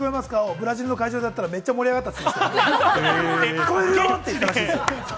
ブラジルの会場でやったら、めっちゃ盛り上がったって言ってました。